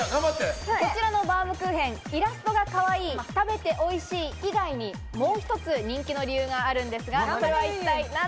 こちらのバウムクーヘン、イラストがかわいい、食べておいしい以外にもう一つ人気の理由があるんです